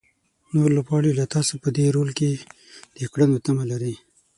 نور لوبغاړي له تاسو په دې رول کې د کړنو تمه لري.